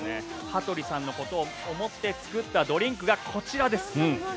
羽鳥さんのことを思って作ったドリンクがこちらです。